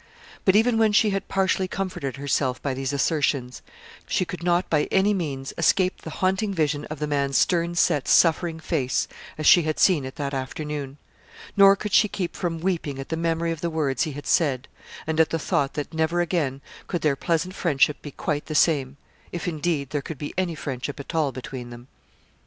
But even when she had partially comforted herself by these assertions, she could not by any means escape the haunting vision of the man's stern set, suffering face as she had seen it that afternoon; nor could she keep from weeping at the memory of the words he had said, and at the thought that never again could their pleasant friendship be quite the same if, indeed, there could be any friendship at all between them.